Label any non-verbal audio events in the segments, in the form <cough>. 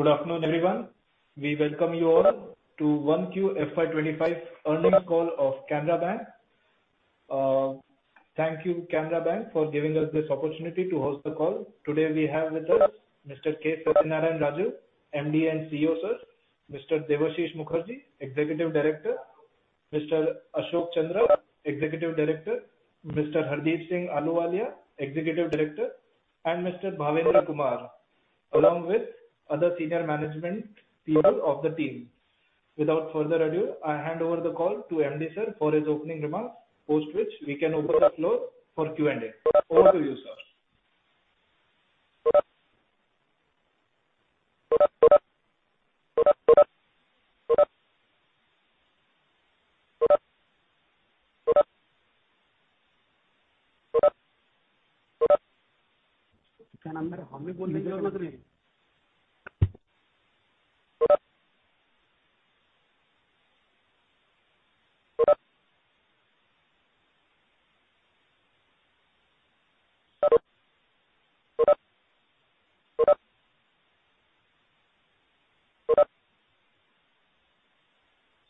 Good afternoon, everyone. We welcome you all to 1Q FY2025 earnings call of Canara Bank. Thank you, Canara Bank, for giving us this opportunity to host the call. Today we have with us Mr. K. Satyanarayana Raju, MD and CEO, Sir. Mr. Debashish Mukherjee, Executive Director. Mr. Ashok Chandra, Executive Director. Mr. Hardeep Singh Ahluwalia, Executive Director, and Mr. Bhavendra Kumar, along with other senior management people of the team. Without further ado, I hand over the call to MD Sir, for his opening remarks, post which we can open the floor for Q&A. Over to you, sir.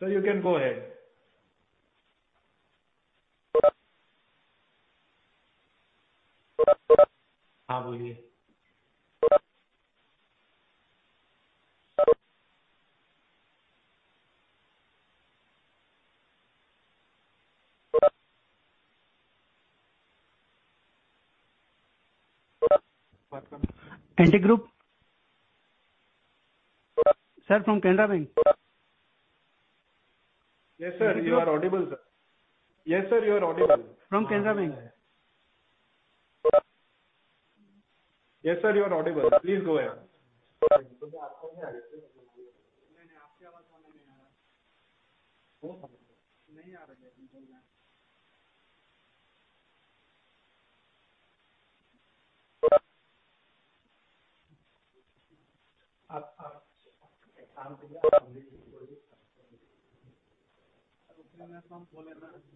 Sir, you can go ahead. <audio distortion> Antique. Sir, from Canara Bank. Yes, sir. You are audible, sir. Yes, sir. You are audible. From Canara Bank. Yes, sir. You are audible. Please go ahead. Sir, are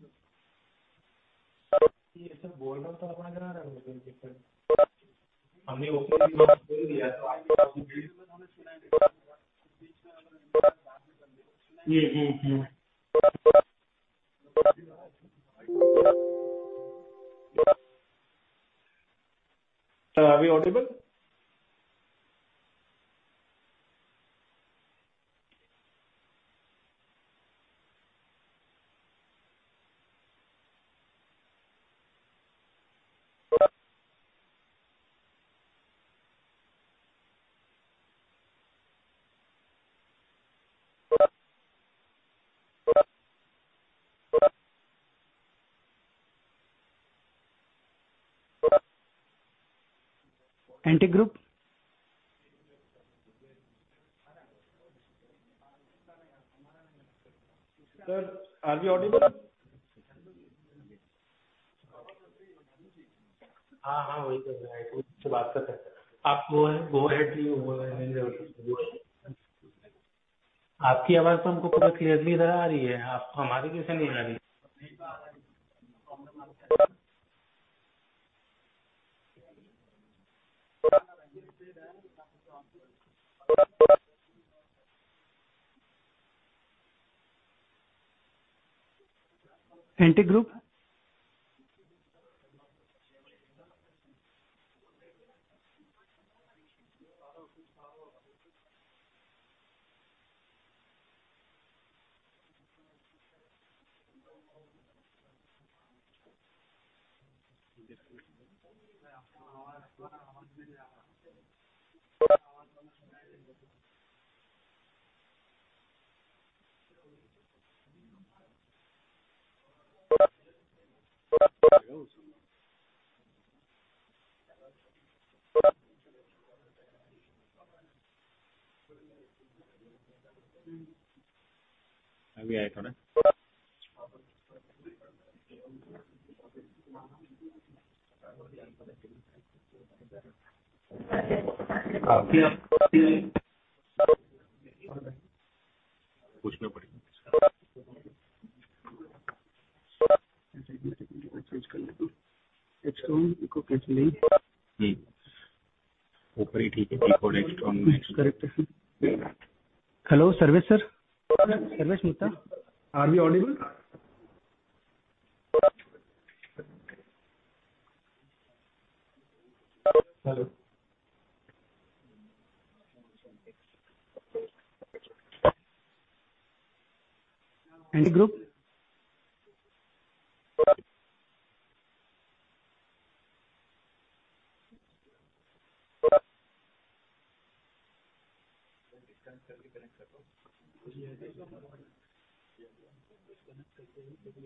we audible? Antique Group. Sir, are we audible? Are we audible?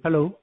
Hello.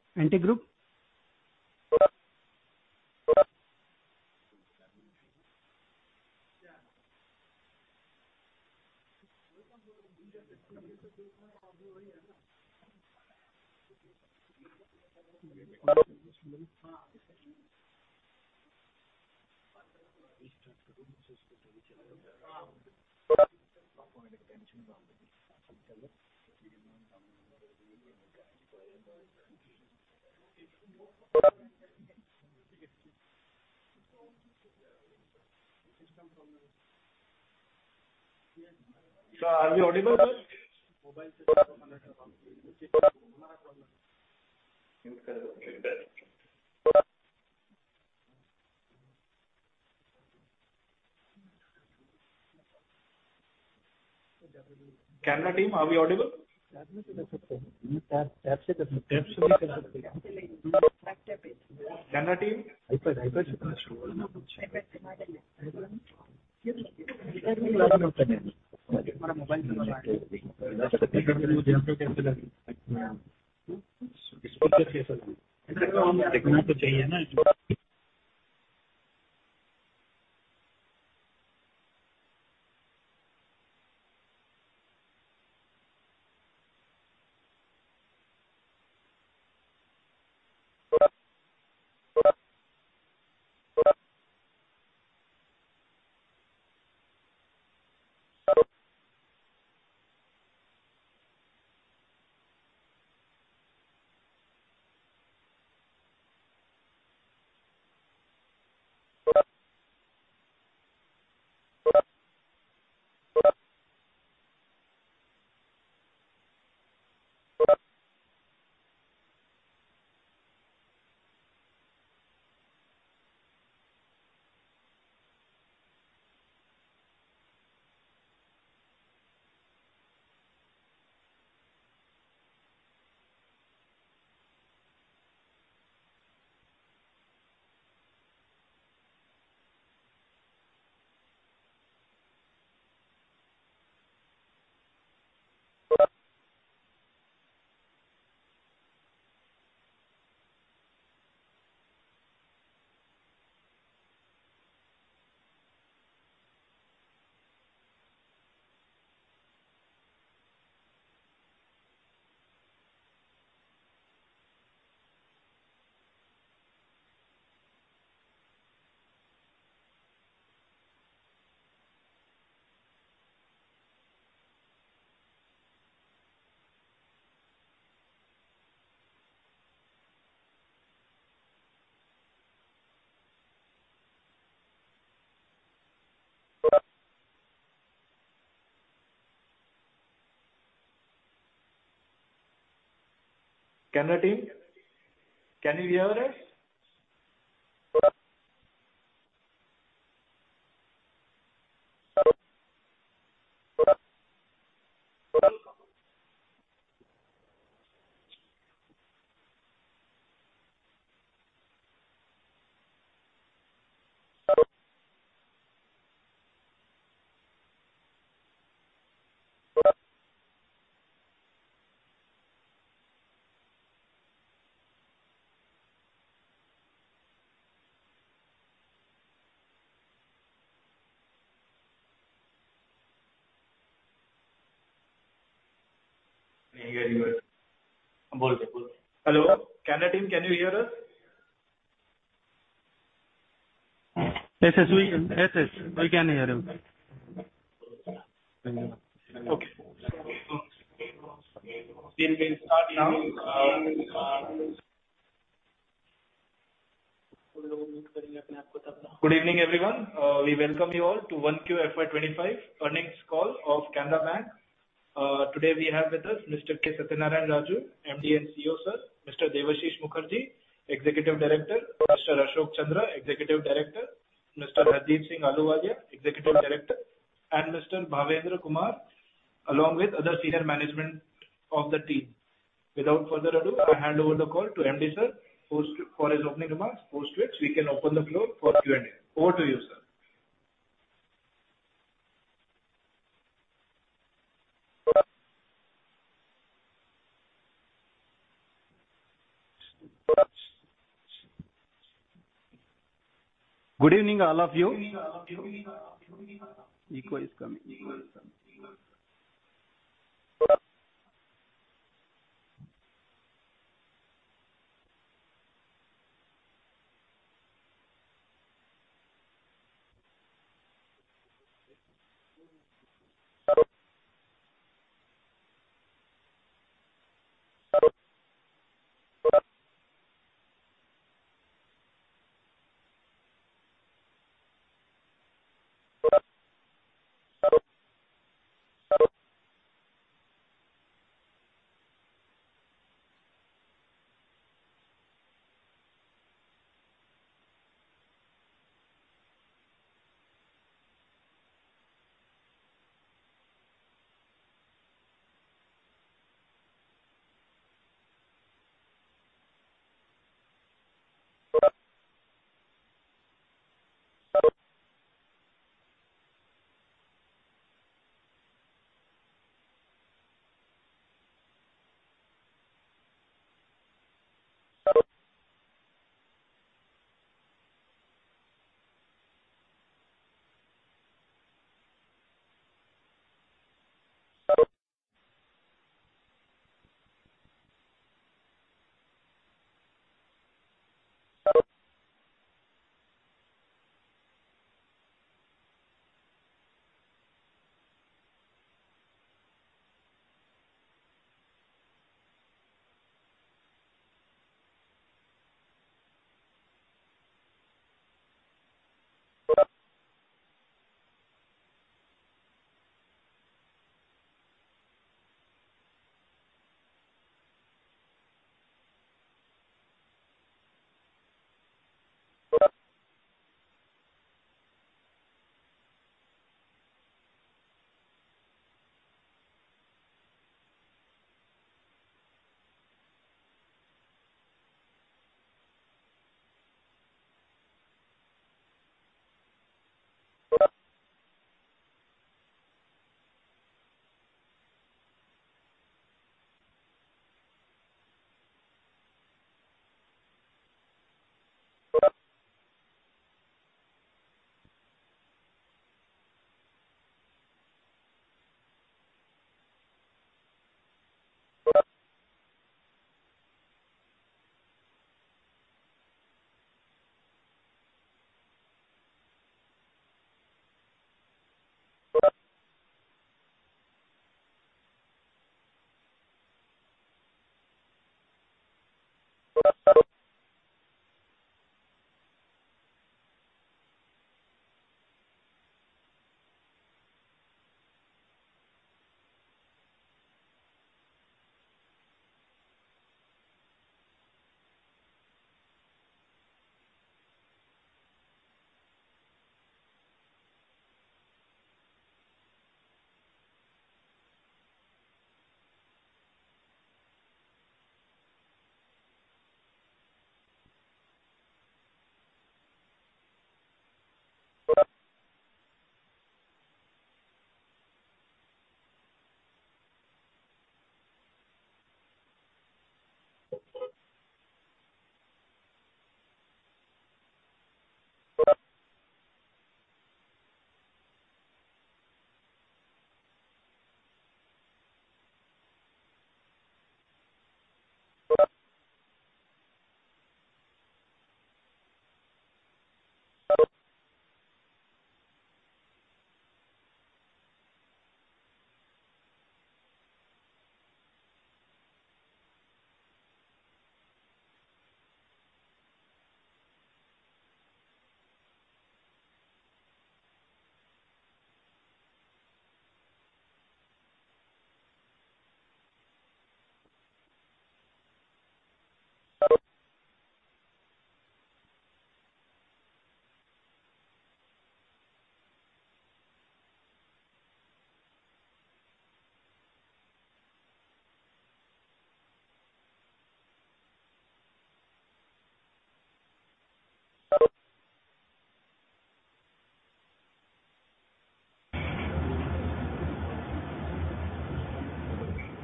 Antique. Hello, Antique Group. Canara team, are we audible? Canara team? <audio distortion> Good evening, everyone. We welcome you all to 1Q FY2025 earnings call of Canara Bank. Today we have with us Mr. K. Satyanarayana Raju, MD and CEO, Sir. Mr. Debashish Mukherjee, Executive Director, Mr. Ashok Chandra, Executive Director, Mr. Hardeep Singh Ahluwalia, Executive Director, and Mr. Bhavendra Kumar, along with other senior management of the team. Without further ado, I hand over the call to MD Sir, post for his opening remarks. Post which we can open the floor for Q&A. Over to you, sir. Good evening, all of you. Echo is coming.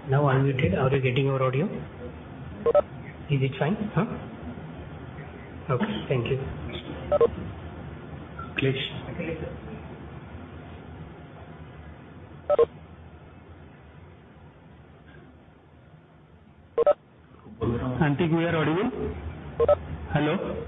Now unmuted. Are you getting our audio? Is it fine, huh? Okay, thank you. Please. Antique, we are audible? Hello.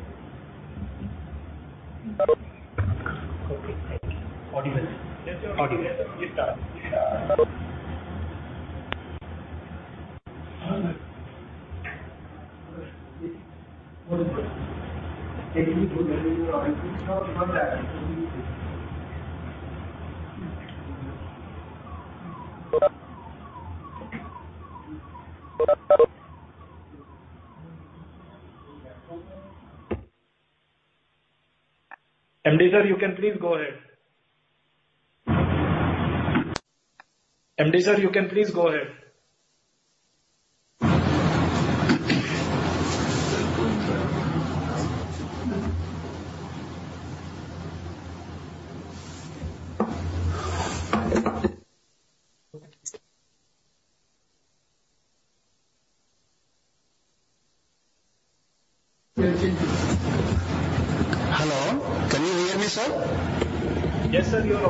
MD sir, you can please go ahead. MD sir, you can please go ahead.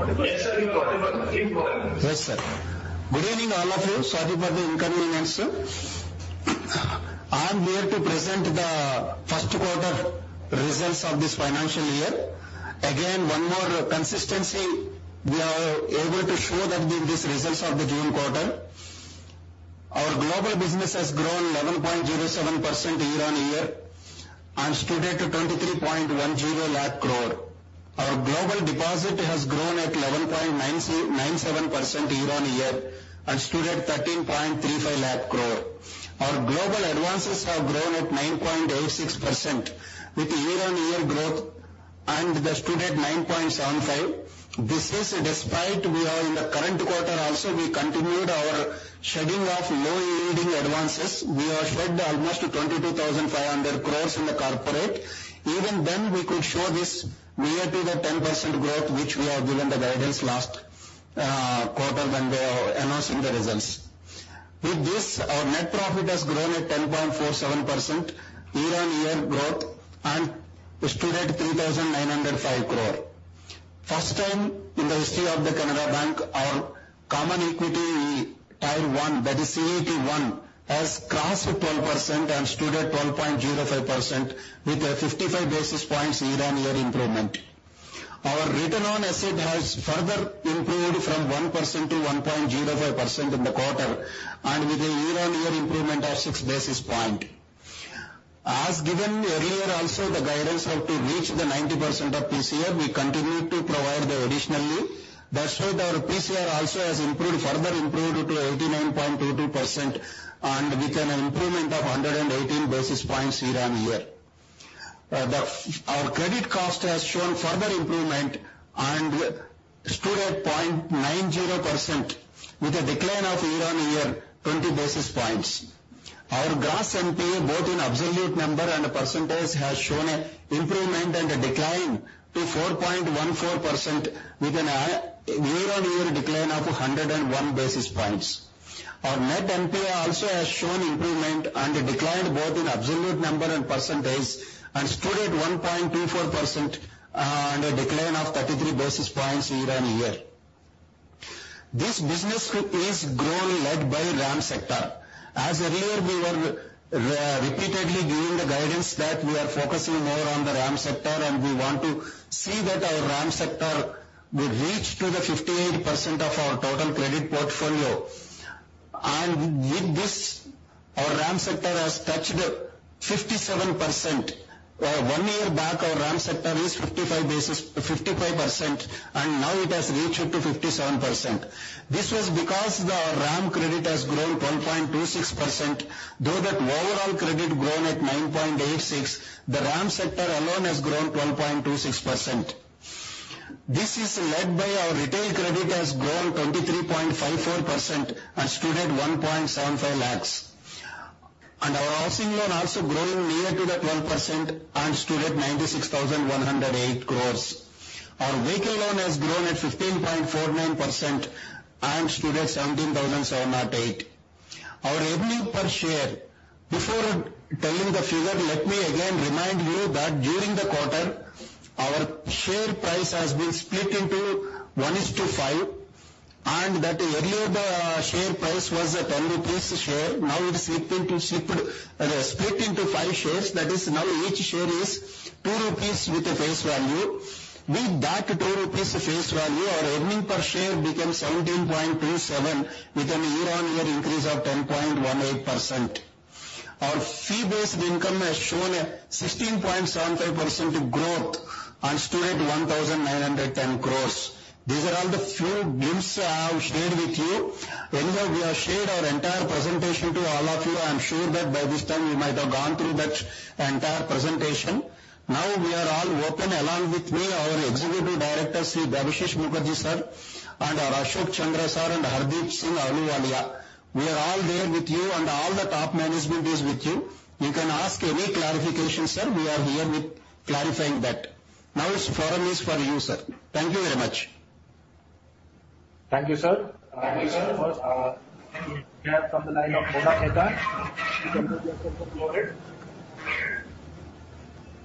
Hello, can you hear me, sir? Yes, sir, you are audible. Yes, sir, you are audible. Yes, sir. Good evening, all of you. Sorry for the inconvenience, sir. I'm here to present the first quarter results of this financial year. Again, one more consistency, we are able to show that with these results of the June quarter. Our global business has grown 11.07% year-on-year and stood at 2,310,000 crore. Our global deposit has grown at 11.97% year-on-year and stood at INR 1,335,000 crore. Our global advances have grown at 9.86% year-on-year and they stood at 975,000 crore. This is despite we are in the current quarter also, we continued our shedding of low yielding advances. We have shed almost 22,500 crore in the corporate. Even then, we could show this near to the 10% growth, which we have given the guidance last quarter when we were announcing the results. With this, our net profit has grown at 10.47% year-on-year growth and stood at 3,905 crore. First time in the history of the Canara Bank, our common equity- Tier one, that is CET1, has crossed 12% and stood at 12.05% with a 55 basis points year-on-year improvement. Our return on asset has further improved from 1% to 1.05% in the quarter, and with a year-on-year improvement of 6 basis point. As given earlier also, the guidance have to reach the 90% of PCR, we continue to provide that additionally. That's why our PCR also has improved, further improved to 89.22%, and with an improvement of 118 basis points year-on-year. Our credit cost has shown further improvement and stood at 0.90%, with a decline of 20 basis points year-on-year. Our gross NPA, both in absolute number and percentage, has shown a improvement and a decline to 4.14%, with a year-on-year decline of 101 basis points. Our net NPA also has shown improvement and a decline both in absolute number and percentage, and stood at 1.24%, and a decline of 33 basis points year-on-year. This business growth is grown led by RAM sector. As earlier, we were repeatedly giving the guidance that we are focusing more on the RAM sector, and we want to see that our RAM sector will reach to the 58% of our total credit portfolio. With this, our RAM sector has touched 57%. One year back, our RAM sector is 55 basis, 55%, and now it has reached to 57%. This was because the RAM credit has grown 12.26%. Though that overall credit grown at 9.86%, the RAM sector alone has grown 12.26%. This is led by our retail credit has grown 23.54% and stood at 1.75 lakh. And our housing loan also growing near to the 12% and stood at 96,108 crore. Our vehicle loan has grown at 15.49% and stood at INR 17,708 crore. Our earnings per share, before telling the figure, let me again remind you that during the quarter, our share price has been split into 1:5, and that earlier the share price was at 10 rupees a share. Now, it is split into 5 shares. That is now each share is 2 rupees with the face value. With that 2 rupees face value, our earnings per share became 17.27, with a year-on-year increase of 10.18%. Our fee-based income has shown a 16.75% growth and stood at 1,910 crore. These are all the few glimpse I have shared with you. Anyway, we have shared our entire presentation to all of you. I am sure that by this time, you might have gone through that entire presentation. Now, we are all open. Along with me, our Executive Director, Shri Debashish Mukherjee, sir, and our Ashok Chandra sir and Hardeep Singh Ahluwalia. We are all there with you, and all the top management is with you. You can ask any clarification, sir. We are here with clarifying that. Now, this forum is for you, sir. Thank you very much. Thank you, sir. Thank you, sir. We have from the line of Mona Khetan. You can go ahead.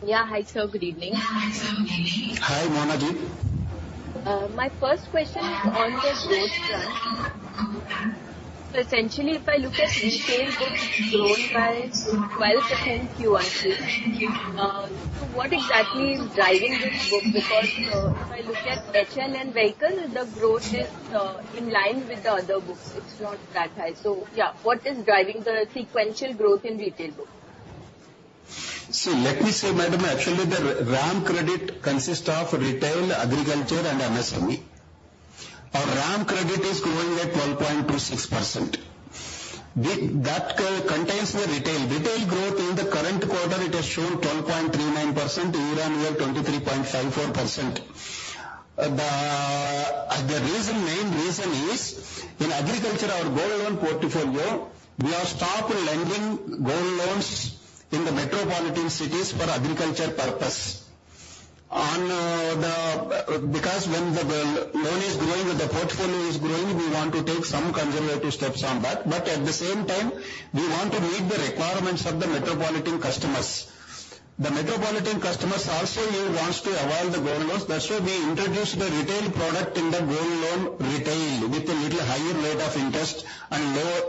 Yeah. Hi, sir. Good evening. Hi, Mona ji. My first question is on the growth front. So essentially, if I look at retail book grown by 12% QoQ. So what exactly is driving this book? Because, if I look at HL and vehicle, the growth is in line with the other books. It's not that high. So yeah, what is driving the sequential growth in retail book? So let me say, madam, actually, the RAM credit consists of retail, agriculture and MSME. Our RAM credit is growing at 12.26%. With that, contains the retail. Retail growth in the current quarter, it has shown 12.39%, year-on-year, 23.54%. The reason, main reason is in agriculture, our gold loan portfolio, we have stopped lending gold loans in the metropolitan cities for agriculture purpose. Because when the loan is growing or the portfolio is growing, we want to take some conservative steps on that, but at the same time, we want to meet the requirements of the metropolitan customers. The metropolitan customers also wants to avoid the gold loans. That's why we introduced the retail product in the gold loan retail, with a little higher rate of interest and lower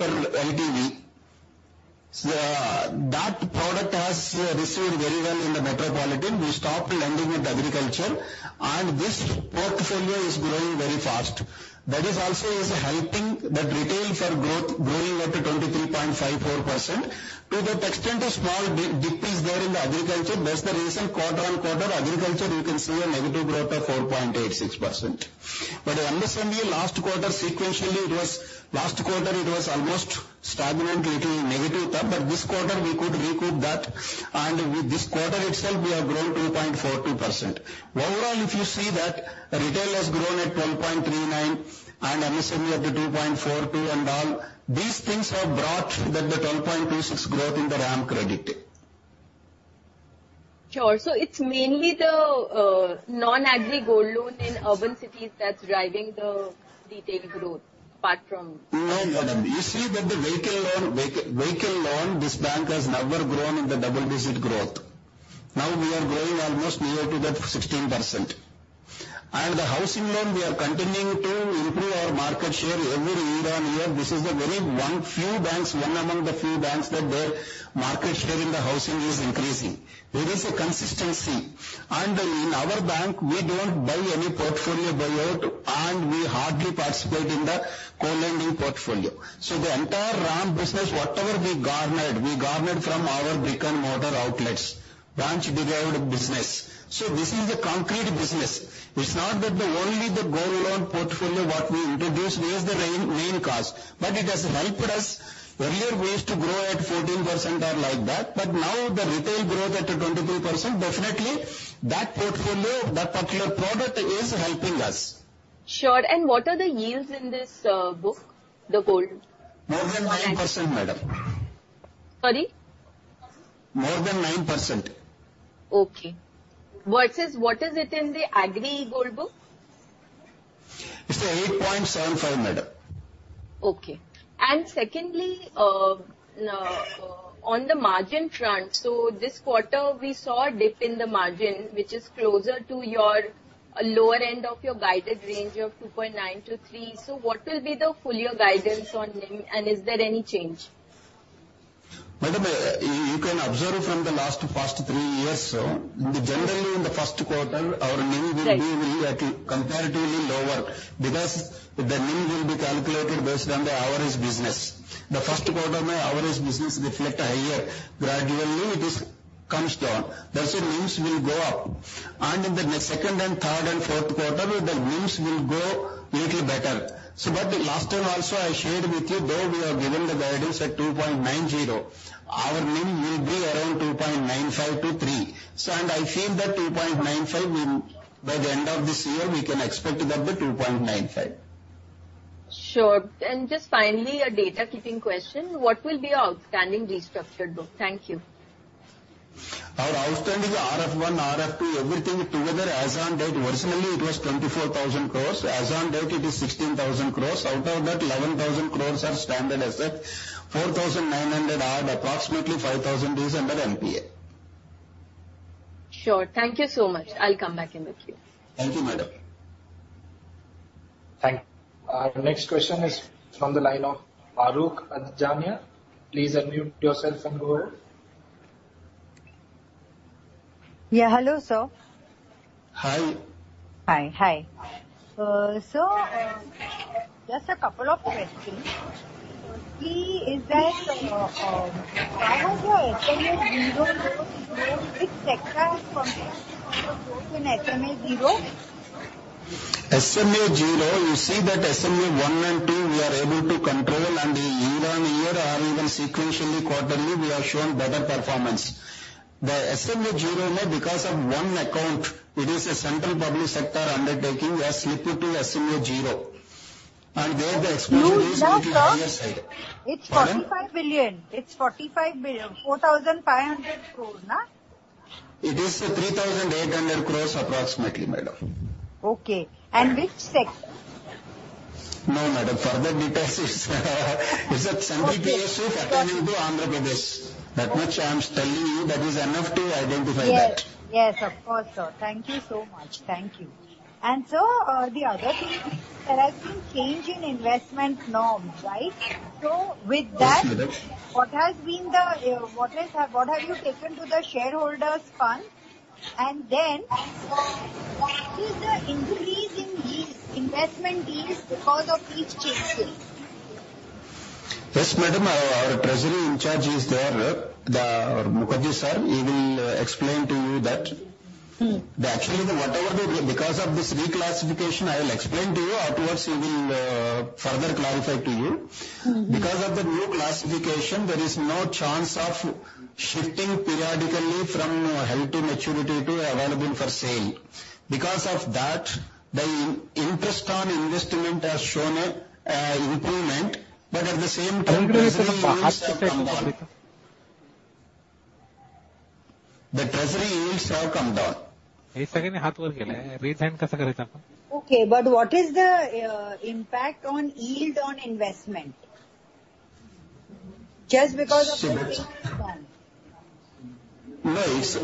LTV. So, that product has received very well in the metropolitan. We stopped lending with agriculture, and this portfolio is growing very fast. That is also is helping that retail for growth growing at 23.54%. To that extent, a small dip is there in the agriculture. That's the reason, quarter on quarter, agriculture, you can see a negative growth of 4.86%. But understand me, last quarter, sequentially, it was- last quarter, it was almost stagnant to little negative term, but this quarter, we could recoup that, and with this quarter itself, we have grown 2.42%. Overall, if you see that retail has grown at 12.39% and MSME at the 2.42% and all, these things have brought that the 12.26% growth in the RAM credit. Sure. So it's mainly the non-agri gold loan in urban cities that's driving the retail growth apart from- No, madam. You see that the vehicle loan, this bank has never grown in the double-digit growth. Now we are growing almost near to that 16%. And the housing loan, we are continuing to improve our market share every year on year. This is a very one few banks, one among the few banks, that their market share in the housing is increasing. There is a consistency, and in our bank, we don't buy any portfolio buyout, and we hardly participate in the co-lending portfolio. So the entire RAM business, whatever we garnered, we garnered from our brick-and-mortar outlets, branch-derived business. So this is a concrete business. It's not that the only the gold loan portfolio what we introduced is the main, main cause, but it has helped us. Earlier, we used to grow at 14% or like that, but now the retail growth at 23%, definitely, that portfolio, that particular product is helping us. Sure. And what are the yields in this book, the gold? More than 9%, madam. Sorry? More than 9%. Okay. What is, what is it in the Agri gold book? It's 8.75%, madam. Okay. Secondly, on the margin front, so this quarter, we saw a dip in the margin, which is closer to your lower end of your guided range of 2.9%-3%. What will be the full year guidance on NIM, and is there any change? Madam, you can observe from the last first three years, so generally, in the first quarter, our NIM will be relatively comparatively lower because the NIM will be calculated based on the average business. The first quarter, my average business reflect higher. Gradually, it is comes down. Thus, the NIMs will go up. In the second and third and fourth quarter, the NIMs will go little better. So but the last time also, I shared with you, though, we have given the guidance at 2.90%, our NIM will be around 2.95%-3%. So and I feel that 2.95%, by the end of this year, we can expect that the 2.95%. Sure. Just finally, a data keeping question: What will be your outstanding restructured book? Thank you. Our outstanding RF1, RF2, everything together as on date, originally, it was 24,000 crore. As on date, it is 16,000 crore. Out of that, 11,000 crore are standard asset, 4,900 are approximately 5,000 is under NPA. Sure. Thank you so much. I'll come back in with you. Thank you, madam. Thank you. Our next question is from the line of Mahrukh Adajania. Please unmute yourself and go ahead. Yeah. Hello, sir. Hi. Hi, hi. So, just a couple of questions. Key is that, what was your SMA-0 growth rate with sector from point of growth in SMA-0? SMA-0, you see that SMA-1 and 2, we are able to control, and year-on-year or even sequentially, quarterly, we have shown better performance. The SMA-0, because of one account, it is a central public sector undertaking, we are slipping to SMA-0. And there, the exposure is- You know, sir? Pardon. It's INR 45 billion. It's INR 45 billion, INR 4,500 crores, na? It is 3,800 crore, approximately, madam. Okay. And which sector? No, madam, further details is that something we are so attending to on this. That much I'm telling you, that is enough to identify that. Yes. Yes, of course, sir. Thank you so much. Thank you. And, sir, the other thing, there has been change in investment norms, right? So with that- Yes, madam. What has been the, what is, what have you taken to the shareholders fund? And then, what is the increase in yields, investment yields because of these changes? Yes, madam, our treasury in charge is there. The Mukherjee sir, he will explain to you that. Mm-hmm. Actually, whatever the, because of this reclassification, I will explain to you. Afterwards, he will further clarify to you. Because of the new classification, there is no chance of shifting periodically from Held to Maturity to available for sale. Because of that, the interest on investment has shown an improvement, but at the same time, treasury yields have come down. The treasury yields have come down. Okay, but what is the impact on yield on investment? Just because of this one. No, it's...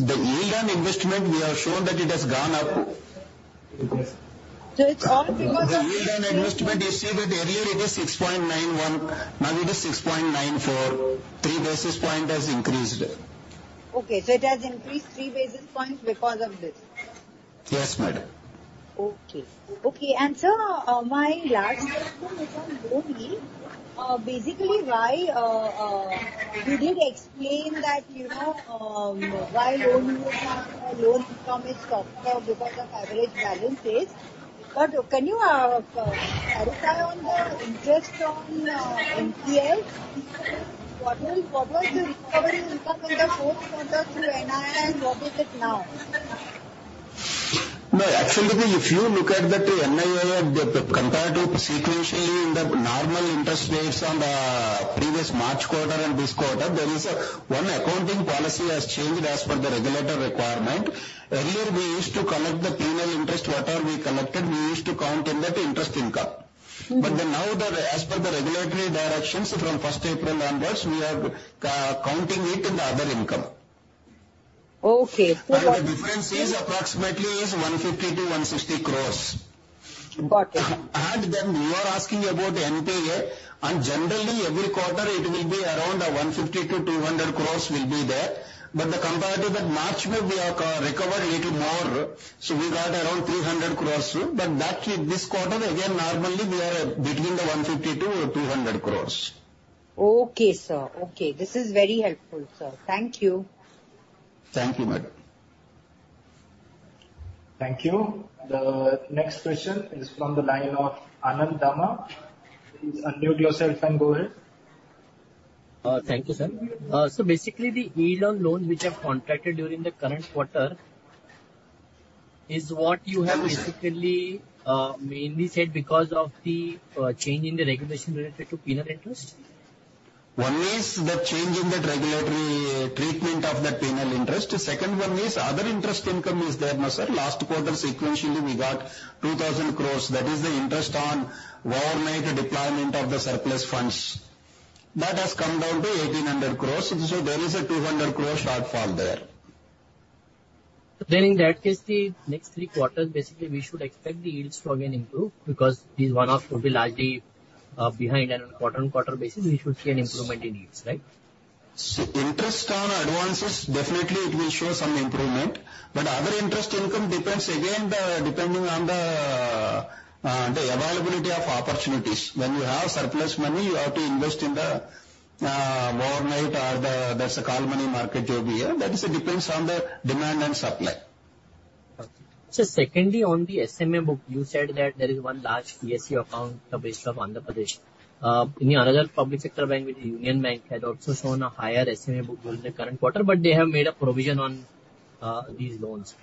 The yield on investment, we have shown that it has gone up. So it's all because of- The yield on investment, you see that earlier it is 6.91, now it is 6.94. 3 basis point has increased. Okay, so it has increased 3 basis points because of this? Yes, madam. Okay. Okay, and sir, my last question is on loan yield. Basically, why you did explain that, you know, why loan was not loan performance softer because of average balance pace. But can you clarify on the interest on NPA? What was the recovery income in the fourth quarter through NII, and what is it now? No, actually, if you look at the NII, compared to sequentially in the normal interest rates on the previous March quarter and this quarter, there is a one accounting policy has changed as per the regulator requirement. Earlier, we used to collect the penal interest. Whatever we collected, we used to count in that interest income. But then now that as per the regulatory directions from first April onwards, we are counting it in the other income. Okay, so what- The difference is approximately 150 crore-160 crore. Got it. And then you are asking about the NPA, and generally, every quarter it will be around 150 crore-200 crore. But the comparative, that March, we have recovered little more, so we got around 300 crore. But that, this quarter, again, normally we are between 150 crore to 200 crore. Okay, sir. Okay, this is very helpful, sir. Thank you. Thank you, madam. Thank you. The next question is from the line of Anand Dama. Please unmute yourself and go ahead. Thank you, sir. So basically, the yield on loan which have contracted during the current quarter is what you have basically mainly said because of the change in the regulation related to penal interest? One is the change in the regulatory treatment of that penal interest. Second one is other interest income is there, sir. Last quarter, sequentially, we got 2,000 crore. That is the interest on overnight deployment of the surplus funds. That has come down to 1,800 crore, so there is a 200 crore shortfall there. Then in that case, the next three quarters, basically, we should expect the yields to again improve because this one-off will be largely behind on a quarter-on-quarter basis, we should see an improvement in yields, right? So interest on advances, definitely it will show some improvement, but other interest income depends again, depending on the availability of opportunities. When you have surplus money, you have to invest in the overnight or the call money market over here. That is, it depends on the demand and supply. Okay. So secondly, on the SMA book, you said that there is one large PSU account based on Andhra Pradesh. In another public sector bank, which is Union Bank, has also shown a higher SMA book during the current quarter, but they have made a provision on these loans.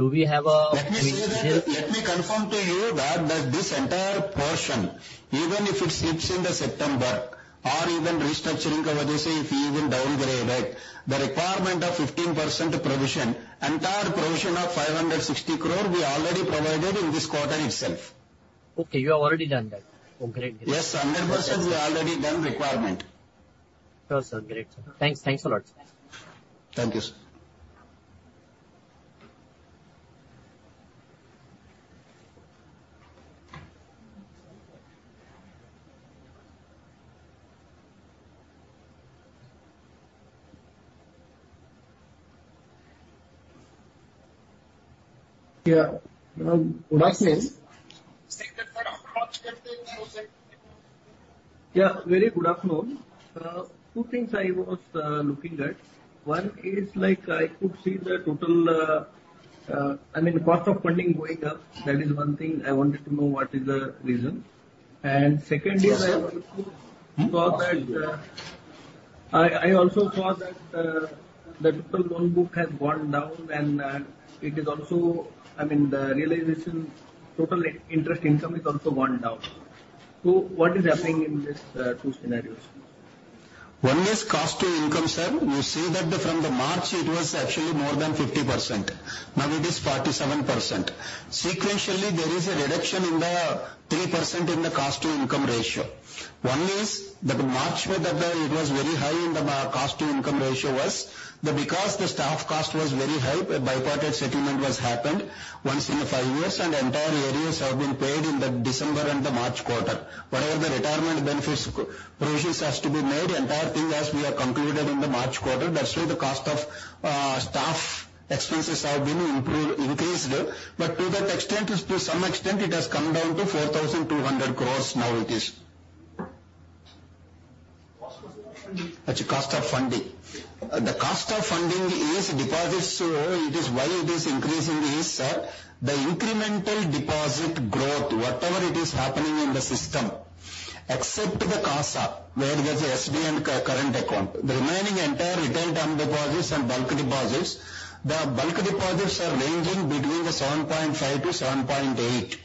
Do we have a- Let me confirm to you that this entire portion, even if it slips in the September or even restructuring cover, they say if we even downgrade back, the requirement of 15% provision, entire provision of 560 crore, we already provided in this quarter itself. Okay, you have already done that. Oh, great. Yes, 100% we already done requirement. Sure, sir. Great. Thanks. Thanks a lot. Thank you, sir. Yeah, Vasanth. Yeah, very good afternoon. Two things I was looking at. One is like I could see the total, I mean, cost of funding going up. That is one thing I wanted to know what is the reason. And secondly, I also saw that, I also saw that the total loan book has gone down, and it is also, I mean, the realization total interest income has also gone down. So what is happening in these two scenarios? One is cost to income, sir. You see that from the March, it was actually more than 50%. Now it is 47%. Sequentially, there is a reduction in the 3% in the cost to income ratio. One is that March, that the, it was very high in the cost to income ratio was, because the staff cost was very high, a bipartite settlement was happened once in five years, and entire arrears have been paid in the December and the March quarter. Whatever the retirement benefits provisions has to be made, entire thing as we have concluded in the March quarter, that's why the cost of, staff expenses have been improved, increased. But to that extent, to some extent, it has come down to 4,200 crore now it is. Cost of funding. Actually, cost of funding. The cost of funding is deposits. So it is, why it is increasing is, sir, the incremental deposit growth, whatever it is happening in the system, except the CASA, where there's a SB and current account, the remaining entire retail term deposits and bulk deposits, the bulk deposits are ranging between 7.5%-7.8%.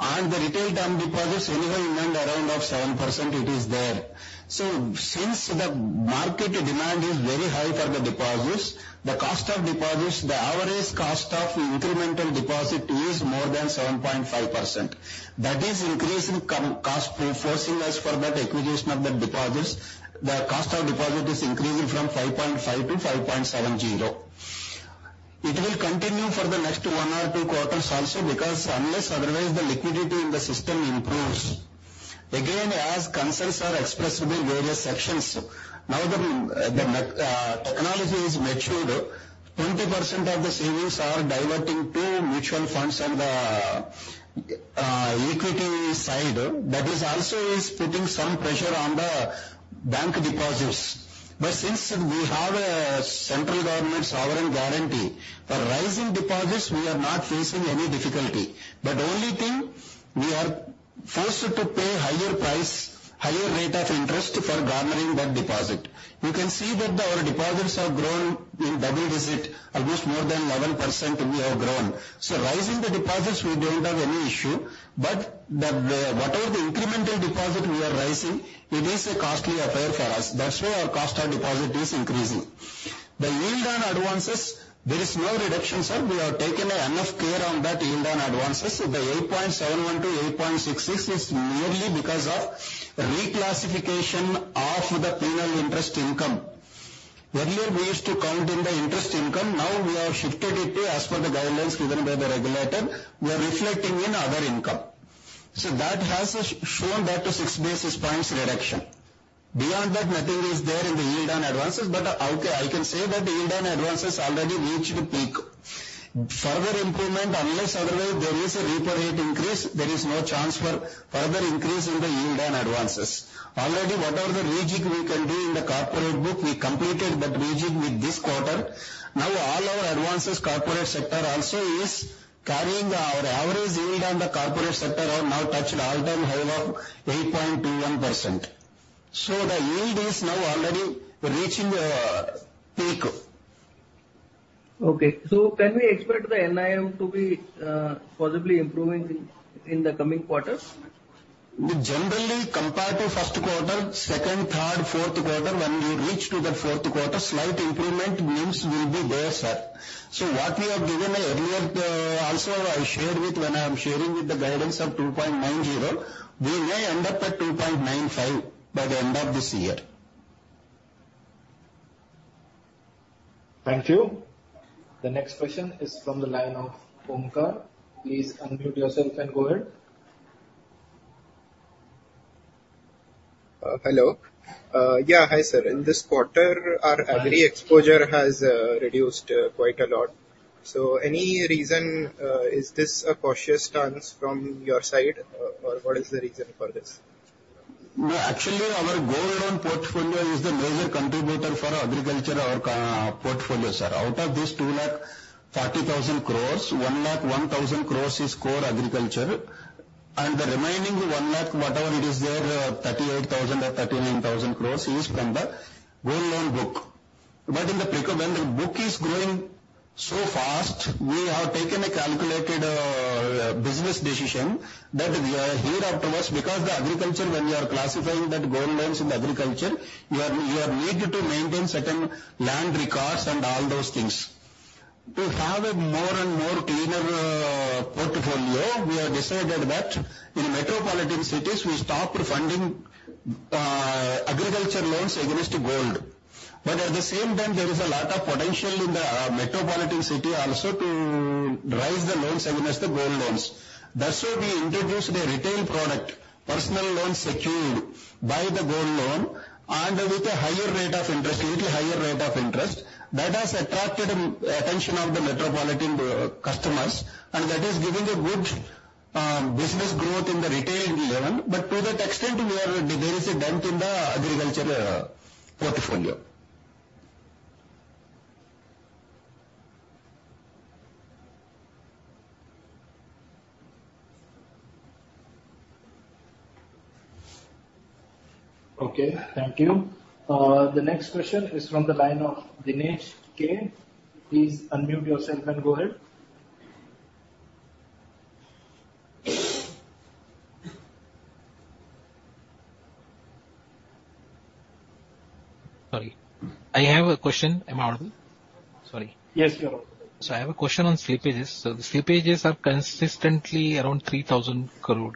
And the retail term deposits anyway in and around of 7% it is there. So since the market demand is very high for the deposits, the cost of deposits, the average cost of incremental deposit is more than 7.5%. That is increasing cost, forcing us for that acquisition of the deposits. The cost of deposit is increasing from 5.5%-5.70%. It will continue for the next one or two quarters also, because unless otherwise, the liquidity in the system improves. Again, as concerns are expressed by various sections, now the, the tech, technology is matured, 20% of the savings are diverting to mutual funds on the, equity side. That is also is putting some pressure on the bank deposits. But since we have a central government's sovereign guarantee, for rising deposits, we are not facing any difficulty. But only thing, we are forced to pay higher price, higher rate of interest for garnering that deposit. You can see that our deposits have grown in double digit, almost more than 11% we have grown. So raising the deposits, we don't have any issue, but the, whatever the incremental deposit we are raising, it is a costly affair for us. That's why our cost of deposit is increasing. The yield on advances, there is no reduction, sir. We have taken enough care on that yield on advances. The 8.71-8.66 is merely because of reclassification of the penal interest income. Earlier, we used to count in the interest income, now we have shifted it as per the guidelines given by the regulator. We are reflecting in other income. So that has shown back to 6 basis points reduction. Beyond that, nothing is there in the yield on advances. But, okay, I can say that the yield on advances already reached the peak. Further improvement, unless otherwise there is a repo rate increase, there is no chance for further increase in the yield on advances. Already, whatever the rejig we can do in the corporate book, we completed that rejig with this quarter. Now, all our advances, corporate sector also is carrying our average yield on the corporate sector have now touched all-time high of 8.21%. So the yield is now already reaching the peak. Okay. So can we expect the NIM to be possibly improving in the coming quarters? Generally, compared to first quarter, second, third, fourth quarter, when we reach to the fourth quarter, slight improvement glimpse will be there, sir. So what we have given earlier, also I shared with when I am sharing with the guidance of 2.90%, we may end up at 2.95% by the end of this year. Thank you. The next question is from the line of Omkar. Please unmute yourself and go ahead. Hello. Yeah, hi, sir. In this quarter, our agri exposure has reduced quite a lot. So any reason, is this a cautious stance from your side, or what is the reason for this? No, actually, our gold loan portfolio is the major contributor for agriculture, our core portfolio, sir. Out of this 240,000 crore, 101,000 crore is core agriculture, and the remaining one lakh, whatever it is there, 38,000 or 39,000 crore, is from the gold loan book. But when the book is growing so fast, we have taken a calculated business decision that here afterwards, because the agriculture, when you are classifying that gold loans in the agriculture, you are, you are needed to maintain certain land records and all those things. To have a more and more cleaner portfolio, we have decided that in metropolitan cities, we stopped funding agriculture loans against gold. At the same time, there is a lot of potential in the metropolitan city also to raise the loans against the gold loans. That's why we introduced a retail product, personal loan secured by the gold loan and with a higher rate of interest, little higher rate of interest, that has attracted attention of the metropolitan customers, and that is giving a good business growth in the retail loan. To that extent, we are, there is a dent in the agriculture portfolio. Okay, thank you. The next question is from the line of Dinesh K. Please unmute yourself and go ahead. Sorry, I have a question. Am I audible? Sorry. Yes, you are. I have a question on slippages. The slippages are consistently around 3,000 crore,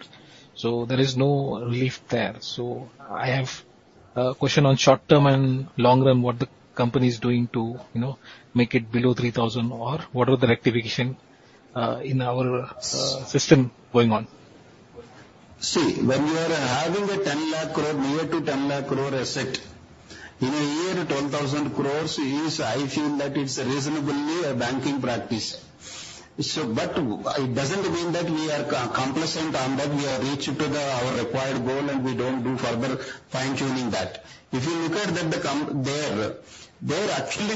so there is no relief there. I have a question on short term and long run, what the company is doing to, you know, make it below 3,000 crore, or what are the rectification in our system going on? See, when you are having 10,00,000 crore, near to 10,00,000 crore asset, in a year, 12,000 crore is I feel that it's reasonably a banking practice. So but it doesn't mean that we are complacent on that, we have reached our required goal and we don't do further fine-tuning that. If you look at that, actually,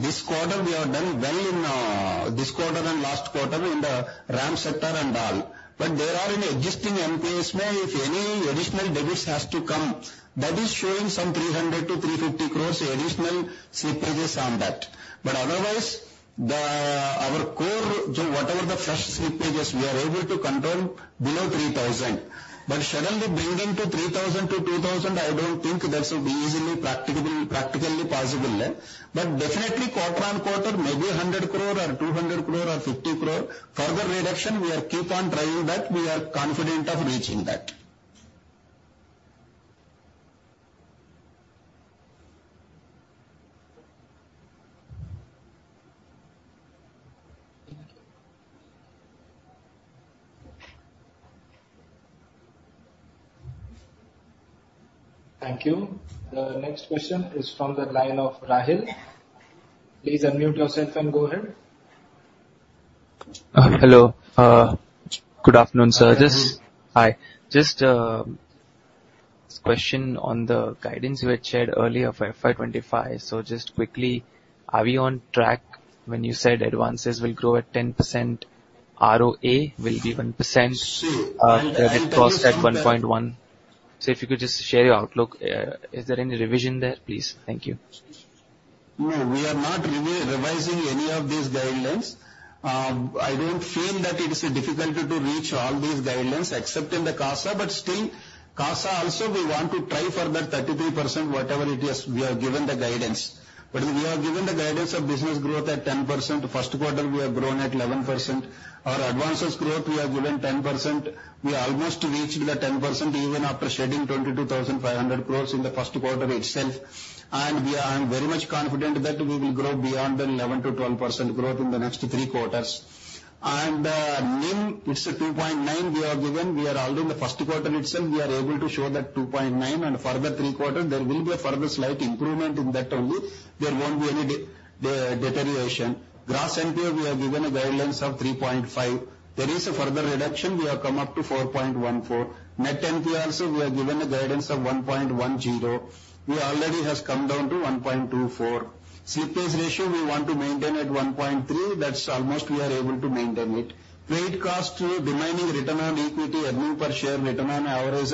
this quarter we have done well in this quarter and last quarter in the RAM sector and all. But there are in existing NPAs, no, if any additional debits has to come, that is showing some 300-350 crore additional slippages on that. But otherwise, our core, so whatever the fresh slippages, we are able to control below 3,000. But suddenly bringing to 3,000 to 2,000, I don't think that's easily practically, practically possible. But definitely quarter-on-quarter, maybe 100 crore or 200 crore or 50 crore, further reduction, we are keep on driving that. We are confident of reaching that. Thank you. The next question is from the line of Rahil. Please unmute yourself and go ahead. Hello. Good afternoon, sir. Hi, Rahil. Hi. Just, question on the guidance you had shared earlier for FY2025. So just quickly, are we on track when you said advances will grow at 10%, ROA will be 1% credit cost at 1.1%? So if you could just share your outlook. Is there any revision there, please? Thank you. No, we are not revising any of these guidelines. I don't feel that it is a difficulty to reach all these guidelines except in the CASA, but still, CASA also, we want to try for that 33%, whatever it is, we have given the guidance. But we have given the guidance of business growth at 10%. First quarter, we have grown at 11%. Our advances growth, we have given 10%. We almost reached the 10% even after shedding 22,500 crore in the first quarter itself, and we are very much confident that we will grow beyond the 11%-12% growth in the next three quarters. And, NIM, it's a 2.9 we have given. We are already in the first quarter itself, we are able to show that 2.9, and further three quarter, there will be a further slight improvement in that only. There won't be any deterioration. Gross NPA, we have given a guidance of 3.5. There is a further reduction. We have come up to 4.14%. Net NPA also, we have given a guidance of 1.10%. We already has come down to 1.24%. Slippage Ratio, we want to maintain at 1.3%. That's almost we are able to maintain it. Credit cost, remaining return on equity, earning per share, return on average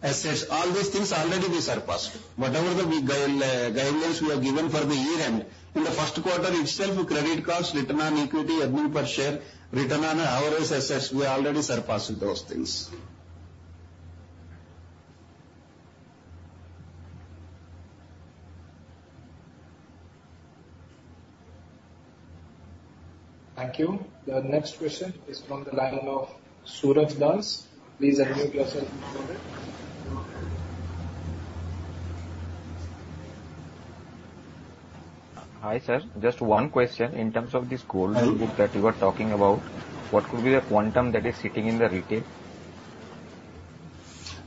assets, all these things already we surpassed. Whatever the guidelines we have given for the year-end, in the first quarter itself, credit cost, return on equity, earnings per share, return on average assets, we already surpassed those things. Thank you. The next question is from the line of Suraj Das. Please unmute yourself. Hi, sir. Just one question in terms of this gold that you are talking about, what could be the quantum that is sitting in the retail?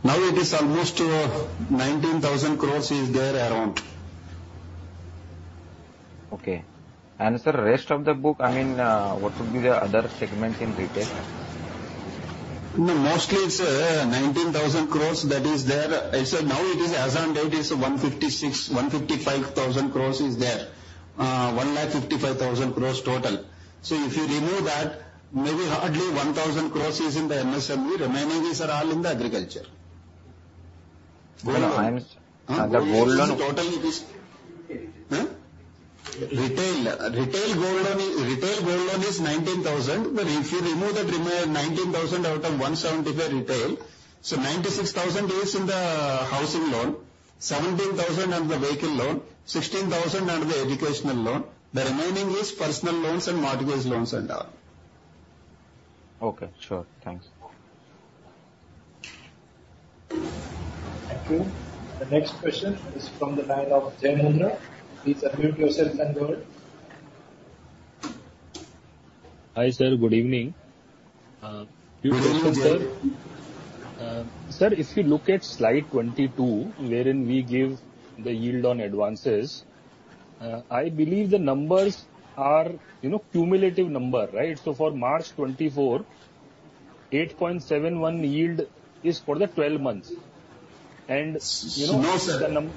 Now, it is almost 19,000 crore is there, around. Okay. Sir, rest of the book, I mean, what would be the other segments in retail? No, mostly it's 19,000 crore that is there. So now it is, as on date, it's 156,000 crore, 155,000 crore is there. 155,000 crore total. So if you remove that, maybe hardly 1,000 crore is in the MSME. Remaining these are all in the agriculture. Gold loans. Retail. Retail. Retail gold loan, retail gold loan is 19,000. But if you remove that, remove 19,000 out of 175,000 retail, so 96,000 is in the housing loan, 17,000 under the vehicle loan, 16,000 under the educational loan. The remaining is personal loans and mortgage loans and all. Okay, sure. Thanks. Thank you. The next question is from the line of Jai Mundhra. Please unmute yourself and go ahead. Hi, sir. Good evening. Good evening, sir. Sir, if you look at slide 22, wherein we give the yield on advances, I believe the numbers are, you know, cumulative number, right? So for March 2024, 8.71% yield is for the 12 months. And, you know- No, sir. The num-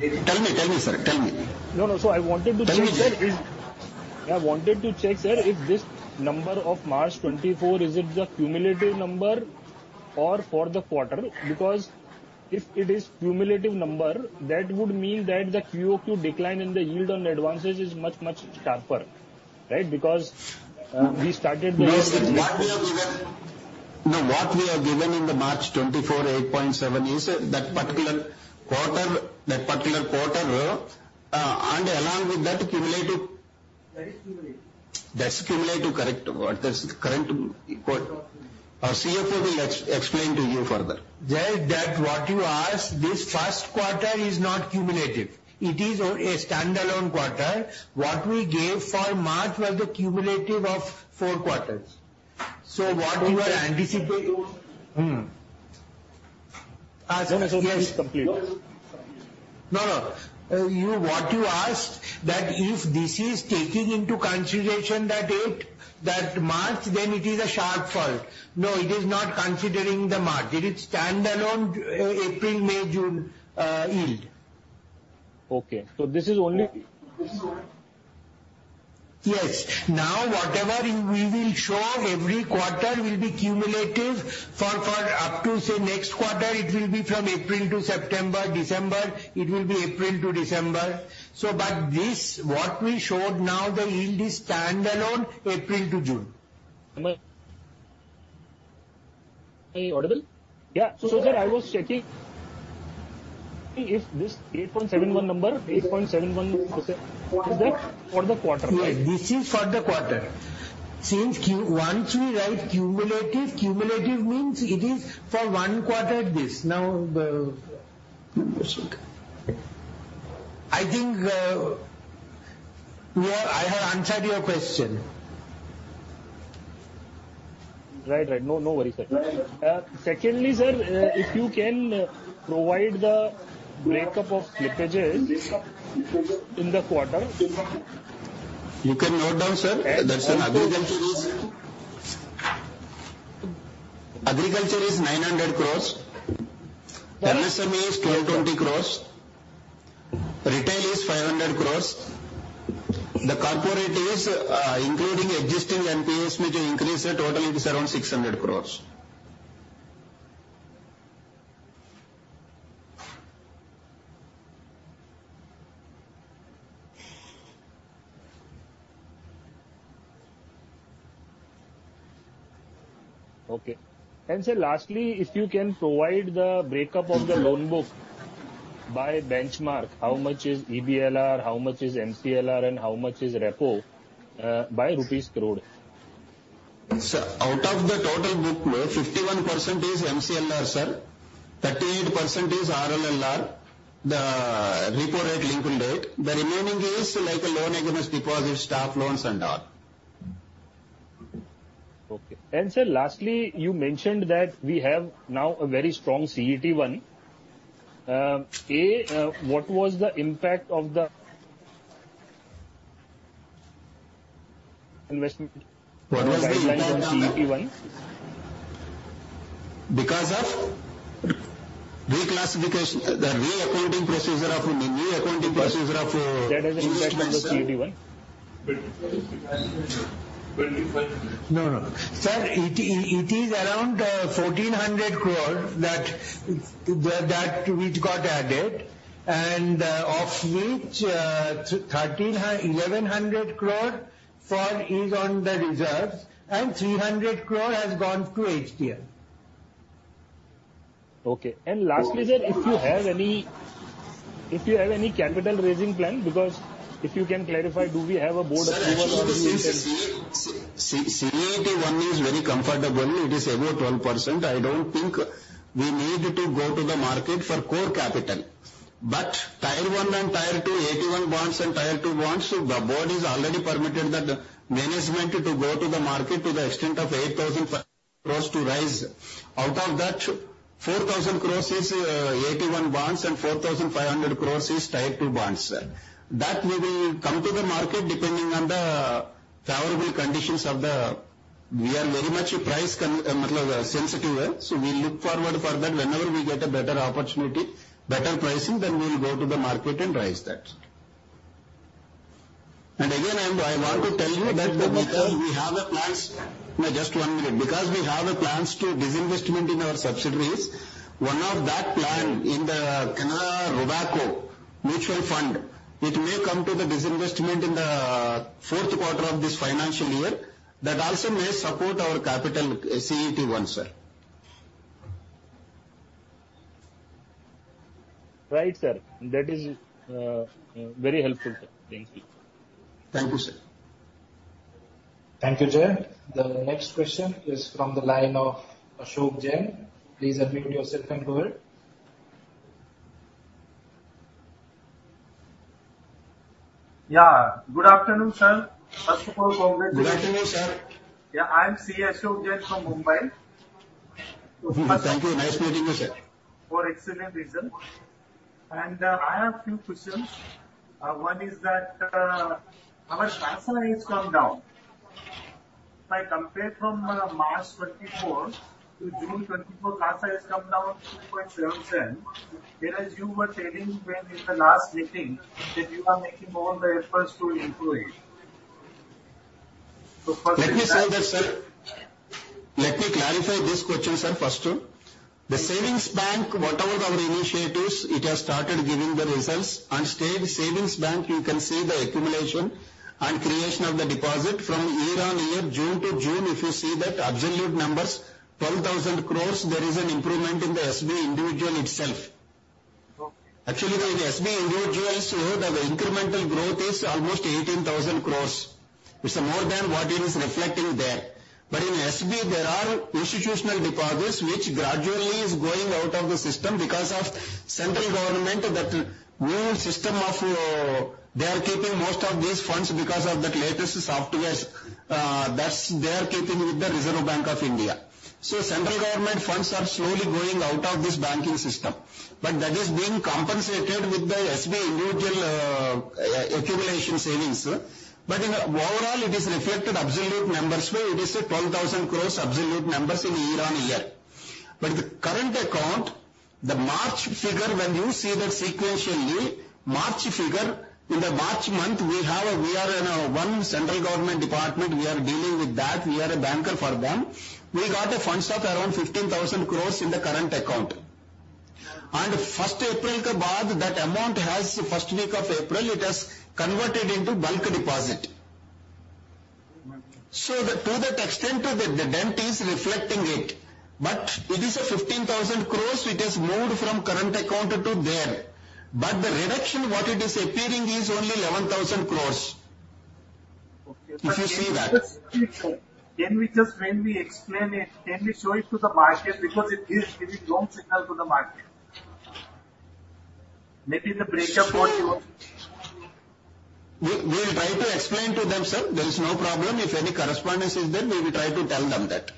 Tell me. Tell me, sir. Tell me. No, no. So I wanted to check, sir, is- Tell me, sir. I wanted to check, sir, if this number of March 2024, is it the cumulative number or for the quarter? Because if it is cumulative number, that would mean that the QoQ decline in the yield on advances is much, much sharper, right? Because, we started the- No, what we have given—no, what we have given in the March 2024, 8.7%, is that particular quarter, that particular quarter, and along with that, cumulative- That is cumulative. That's cumulative, correct. What this current equal... Our CFO will explain to you further. Just that what you asked, this first quarter is not cumulative. It is a standalone quarter. What we gave for March was the cumulative of four quarters. So what you are anticipating, so, yes. Complete. No, no. You, what you asked, that if this is taking into consideration that 8, that March, then it is a sharp fall. No, it is not considering the March. It is standalone, April, May, June, yield. Okay. So this is only- Yes. Now, whatever we will show every quarter will be cumulative for up to, say, next quarter. It will be from April to September. December, it will be April to December. So but this, what we showed now, the yield is standalone, April to June. Am I audible? Yeah. So, sir, I was checking, if this 8.71% number, 8.71%, is that for the quarter? Yes, this is for the quarter. Since once we write cumulative, cumulative means it is for one quarter it is. Now, I think I have answered your question. Right. Right. No, no worry, sir. Secondly, sir, if you can provide the breakup of slippages in the quarter? You can note down, sir. That's an agriculture is... Agriculture is 900 crore. MSME is 1,220 crore. Retail is 500 crore. The corporate is, including existing NPAs, which increased, totally it is around 600 crore. Okay. Sir, lastly, if you can provide the breakup of the loan book by benchmark, how much is EBLR, how much is MCLR, and how much is RLLR by rupees crore? So out of the total book, 51% is MCLR, sir. 38% is RLLR, the repo rate linked rate. The remaining is like a loan against deposit, staff loans, and all. Okay. And sir, lastly, you mentioned that we have now a very strong CET1. What was the impact of the investment? Guidelines on CET1. Because of reclassification, the reaccounting procedure of. That has an impact on the CET1? No, no. Sir, it is around 1,400 crore that which got added, and of which 1,100 crore which is on the reserves and 300 crore has gone to HTL. Okay. And lastly, sir, if you have any capital raising plan, because if you can clarify, do we have a board approval or we can- Sir, actually, since CET1 is very comfortable, it is above 12%. I don't think we need to go to the market for core capital. But Tier 1 and Tier 2, AT1 bonds and Tier 2 bonds, the board is already permitted that management to go to the market to the extent of 8,000 crore to raise. Out of that, 4,000 crore is AT1 bonds and 4,500 crore is Tier 2 bonds. That we will come to the market depending on the favorable conditions of the... We are very much price conscious, so we look forward for that. Whenever we get a better opportunity, better pricing, then we will go to the market and raise that. And again, I, I want to tell you that because we have a plans-- No, just one minute. Because we have plans for disinvestment in our subsidiaries, one of those plans in the Canara Robeco Mutual Fund, it may come to the disinvestment in the fourth quarter of this financial year. That also may support our capital CET1, sir. Right, sir. That is, very helpful, sir. Thank you. Thank you, sir. Thank you, Jai. The next question is from the line of Ashok Jain. Please unmute yourself and go ahead. Yeah, good afternoon, sir. First of all, congratulations. Good afternoon, sir. Yeah, I'm CA Ashok Jain from Mumbai. Thank you. Nice meeting you, sir. For excellent results. I have few questions. One is that, our CASA has come down. If I compare from March twenty-fourth to June twenty-fourth, CASA has come down to 2.7%, whereas you were telling when in the last meeting, that you are making all the efforts to improve it. So first- Let me say that, sir. Let me clarify this question, sir, first two. The savings bank, whatever our initiatives, it has started giving the results. On state savings bank, you can see the accumulation and creation of the deposit from year on year, June to June, if you see that absolute numbers, 12,000 crore, there is an improvement in the SB individual itself. Actually, the SB individual, so the incremental growth is almost 18,000 crore. It's more than what it is reflecting there. But in SB, there are institutional deposits, which gradually is going out of the system because of central government, that new system of, they are keeping most of these funds because of that latest softwares, that's they are keeping with the Reserve Bank of India. So central government funds are slowly going out of this banking system, but that is being compensated with the SB individual, accumulation savings. But in the overall, it is reflected absolute numbers where it is a 12,000 crore absolute numbers in year-on-year. But the current account, the March figure, when you see that sequentially, March figure, in the March month, we have-- we are in a one central government department, we are dealing with that, we are a banker for them. We got funds of around 15,000 crore in the current account. And first April, that amount has, first week of April, it has converted into bulk deposit. To that extent, the dent is reflecting it, but it is 15,000 crore, it is moved from current account to there. But the reduction, what it is appearing, is only 11,000 crore. Okay. If you see that. Can we just maybe explain it? Can we show it to the market? Because it is giving wrong signal to the market. Maybe the breakup what you... We, we will try to explain to them, sir. There is no problem. If any correspondence is there, we will try to tell them that.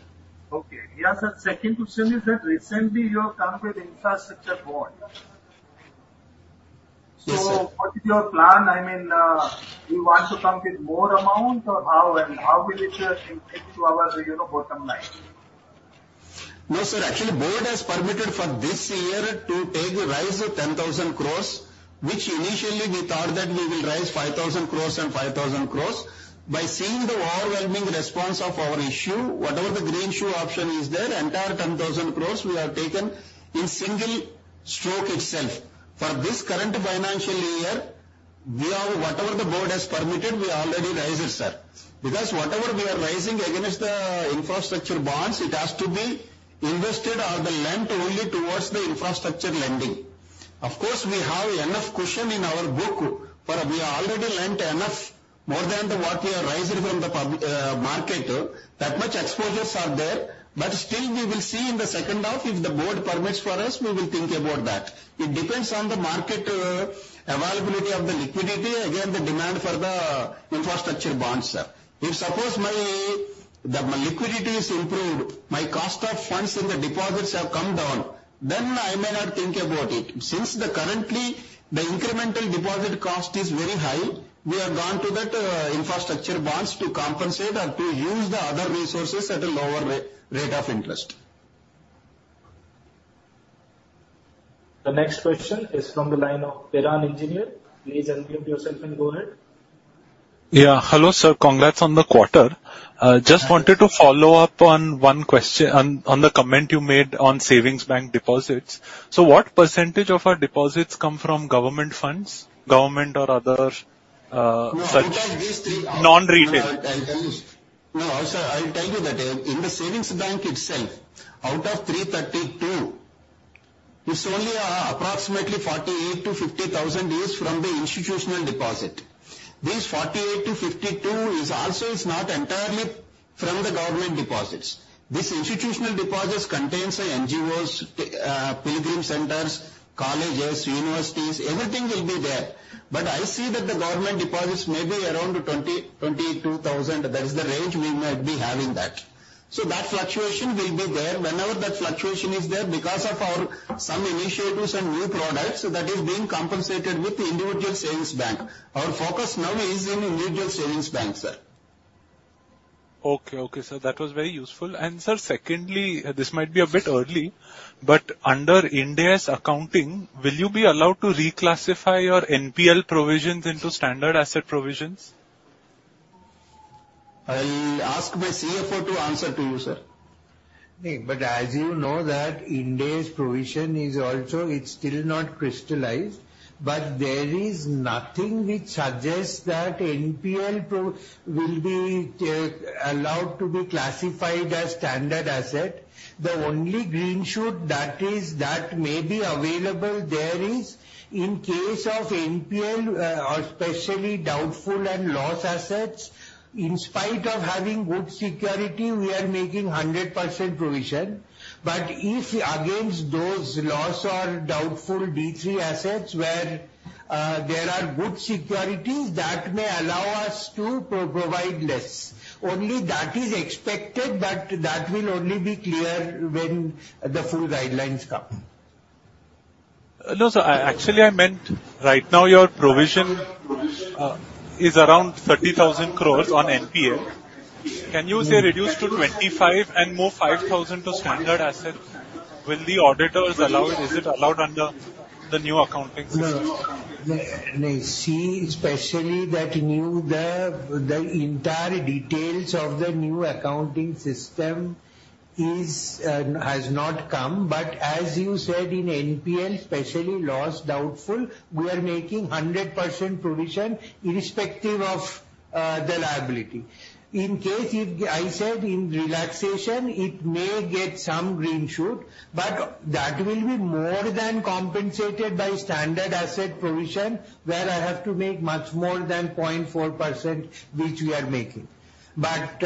Okay. Yeah, sir, second question is that recently you have come with infrastructure bonds. Yes, sir. What is your plan? I mean, you want to come with more amount or how, and how will it impact to our, you know, bottom line? No, sir. Actually, board has permitted for this year to raise 10,000 crore, which initially we thought that we will raise 5,000 crore and 5,000 crore. By seeing the overwhelming response of our issue, whatever the green shoe option is there, entire 10,000 crore, we have taken in single stroke itself. For this current financial year, we are-- whatever the board has permitted, we already raised it, sir. Because whatever we are raising against the infrastructure bonds, it has to be invested or lent only towards the infrastructure lending. Of course, we have enough cushion in our book, for we already lent enough more than what we have raised from the public market. That much exposures are there, but still we will see in the second half, if the board permits for us, we will think about that. It depends on the market, availability of the liquidity, again, the demand for the infrastructure bonds, sir. If suppose my, the liquidity is improved, my cost of funds in the deposits have come down, then I may not think about it. Since the currently, the incremental deposit cost is very high, we have gone to that, infrastructure bonds to compensate or to use the other resources at a lower rate of interest. The next question is from the line of Piran Engineer. Please unmute yourself and go ahead. Yeah. Hello, sir. Congrats on the quarter. Just wanted to follow up on the comment you made on savings bank deposits. So what percentage of our deposits come from government funds, government or other such as non-retail. I'll tell you. No, also, I'll tell you that in the savings bank itself, out of 332, it's only approximately 48, 000-INR 50, 000 is from the institutional deposit. This 48, 000-INR 52, 000 is also is not entirely from the government deposits. These institutional deposits contains NGOs, pilgrim centers, colleges, universities, everything will be there. But I see that the government deposits may be around 20, 000-INR 22, 000. That is the range we might be having that. So that fluctuation will be there. Whenever that fluctuation is there, because of our some initiatives and new products, that is being compensated with the individual savings bank. Our focus now is in individual savings bank, sir. Okay. Okay, sir, that was very useful. And sir, secondly, this might be a bit early, but under Ind AS accounting, will you be allowed to reclassify your NPL provisions into standard asset provisions? I'll ask my CFO to answer to you, sir. But as you know that Ind AS provision is also, it's still not crystallized, but there is nothing which suggests that NPA provision will be allowed to be classified as standard asset. The only green shoot that is, that may be available there is in case of NPA, or especially doubtful and loss assets, in spite of having good security, we are making 100% provision. But if against those loss or doubtful D3 assets, where there are good securities, that may allow us to provide less. Only that is expected, but that will only be clear when the full guidelines come. No, sir, actually, I meant right now, your provision is around 30,000 crore on NPA. Can you say, reduce to 25,000 crore and move 5,000 crore to standard asset? Will the auditors allow it? Is it allowed under the new accounting system? No. See, especially that new, the entire details of the new accounting system is has not come. But as you said, in NPL, especially loss doubtful, we are making 100% provision, irrespective of the liability. In case, if I said in relaxation, it may get some green shoot, but that will be more than compensated by standard asset provision, where I have to make much more than 0.4%, which we are making. But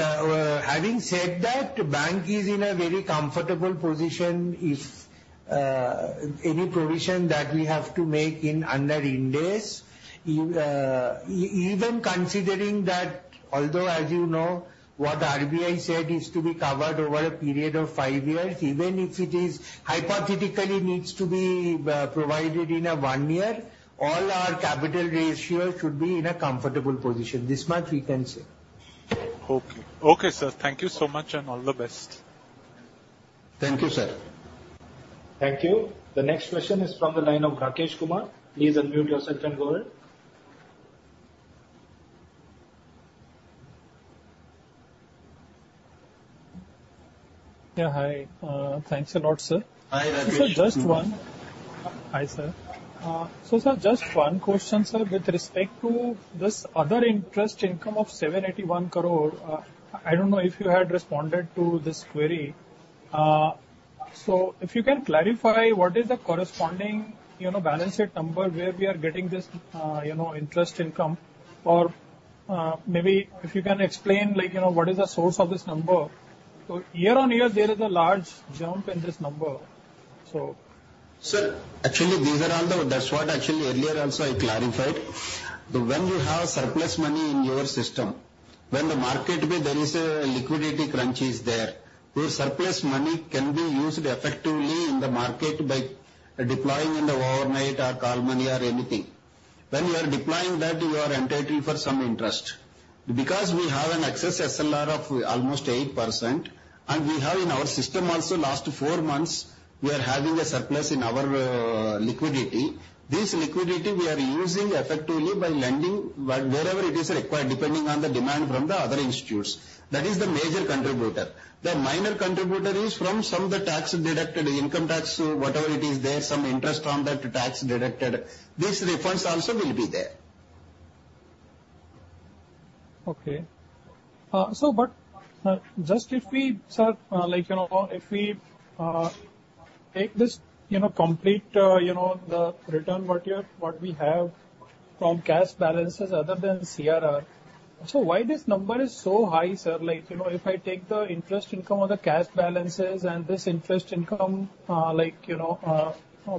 having said that, bank is in a very comfortable position if any provision that we have to make under Ind AS. Even considering that, although, as you know, what the RBI said is to be covered over a period of five years, even if it is hypothetically needs to be provided in one year, all our capital ratio should be in a comfortable position. This much we can say. Okay. Okay, sir. Thank you so much, and all the best. Thank you, sir. Thank you. The next question is from the line of Rakesh Kumar. Please unmute yourself and go ahead. Yeah, hi. Thanks a lot, sir. Hi, Rakesh. Just one- Hi, sir. So sir, just one question, sir. With respect to this other interest income of 781 crore, I don't know if you had responded to this query. So if you can clarify, what is the corresponding, you know, balance sheet number, where we are getting this, you know, interest income? Or, maybe if you can explain, like, you know, what is the source of this number. So year-on-year, there is a large jump in this number, so. Sir, actually, these are all the... That's what actually earlier also I clarified. When you have surplus money in your system, when the market, there is a liquidity crunch is there, your surplus money can be used effectively in the market by deploying in the overnight or call money or anything. When you are deploying that, you are entitled for some interest. Because we have an excess SLR of almost 8%, and we have in our system also last four months, we are having a surplus in our liquidity. This liquidity we are using effectively by lending, wherever it is required, depending on the demand from the other institutes. That is the major contributor. The minor contributor is from some of the tax deducted, income tax, whatever it is there, some interest from that tax deducted, this refunds also will be there. Okay. So but, just if we, sir, like, you know, if we take this, you know, complete, the return what you're-- what we have from cash balances other than CRR. So why this number is so high, sir? Like, you know, if I take the interest income on the cash balances and this interest income, like, you know,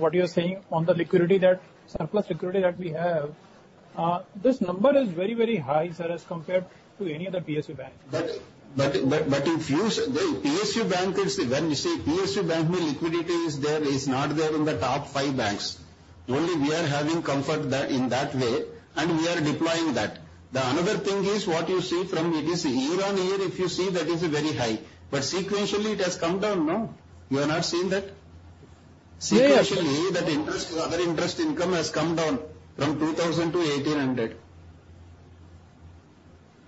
what you're saying on the liquidity that, surplus liquidity that we have, this number is very, very high, sir, as compared to any other PSU bank. But if you—the PSU bank, when you say PSU bank, liquidity is there, is not there in the top five banks. Only we are having comfort that, in that way, and we are deploying that. The another thing is what you see from it is year-on-year, if you see, that is very high, but sequentially it has come down, no? You are not seeing that? Yes. Sequentially, that interest, other interest income has come down from 2,000-1,800.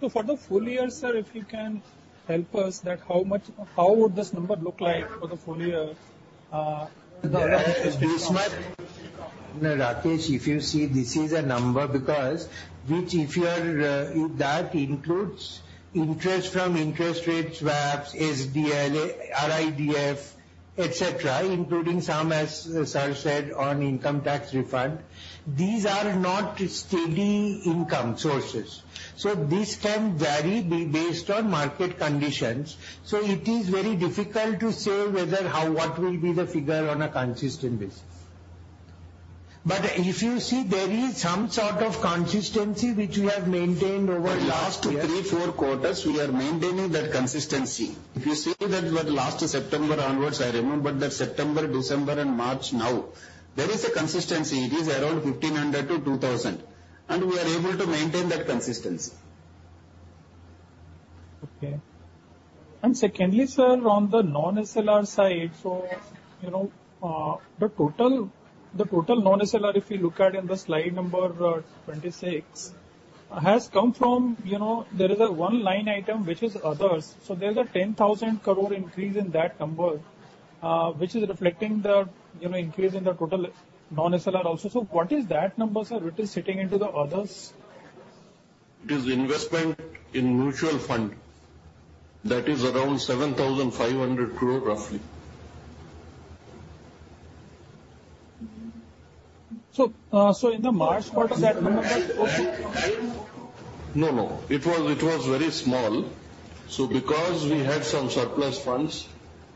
For the full year, sir, if you can help us, that how much, how would this number look like for the full year, the No, Rakesh, if you see, this is a number because which if you are, that includes interest from interest rate swaps, SDLs, RIDF, et cetera, including some, as sir said, on income tax refund. These are not steady income sources, so this can vary based on market conditions. So it is very difficult to say whether how, what will be the figure on a consistent basis. But if you see, there is some sort of consistency which we have maintained over last year. The last three, four quarters, we are maintaining that consistency. If you see that, last September onwards, I remember that September, December and March now, there is a consistency. It is around 1,500-2,000, and we are able to maintain that consistency. Okay. And secondly, sir, on the non-SLR side, so, you know, the total, the total non-SLR, if you look at in the slide number 26, has come from, you know, there is a one line item, which is others. So there's an 10,000 crore increase in that number, which is reflecting the, you know, increase in the total non-SLR also. So what is that number, sir, which is sitting into the others? It is investment in mutual fund that is around 7,500 crore, roughly. So, in the March, what was that number? No, no, it was, it was very small. So because we had some surplus funds,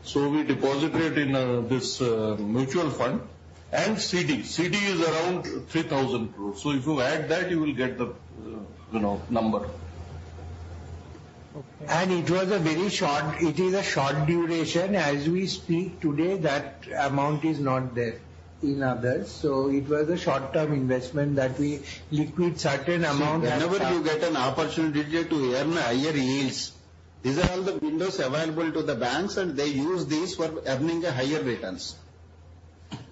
so we deposited in this mutual fund and CD. CD is around 3,000 crore. So if you add that, you will get the, you know, number. Okay. It was a very short. It is a short duration. As we speak today, that amount is not there in others. It was a short-term investment that we liquid certain amount of- See, whenever you get an opportunity to earn higher yields, these are all the windows available to the banks, and they use these for earning a higher returns.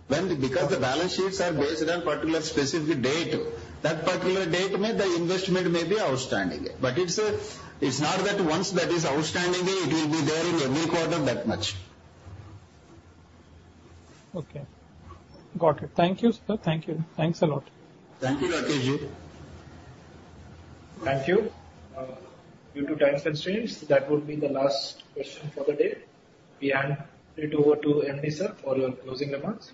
When because the balance sheets are based on particular specific date, that particular date may, the investment may be outstanding. But it's not that once that is outstanding, it will be there in every quarter that much. Okay. Got it. Thank you, sir. Thank you. Thanks a lot. Thank you, Rakeshji. Thank you. Due to time constraints, that would be the last question for the day. We hand it over to MD, sir, for your closing remarks.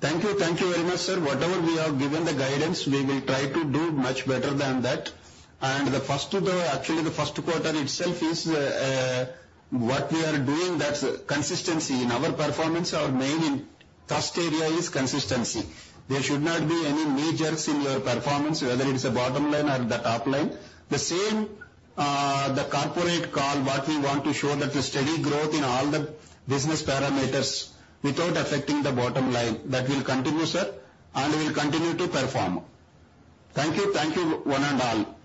Thank you. Thank you very much, sir. Whatever we have given the guidance, we will try to do much better than that. And the first, actually, the first quarter itself is what we are doing, that's consistency. In our performance, our main thrust area is consistency. There should not be any majors in your performance, whether it is a bottom line or the top line. The same, the corporate call, what we want to show that the steady growth in all the business parameters without affecting the bottom line, that will continue, sir, and will continue to perform. Thank you. Thank you, one and all.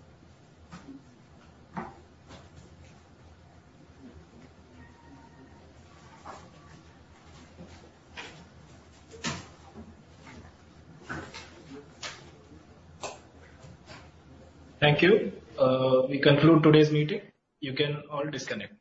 Thank you. We conclude today's meeting. You can all disconnect.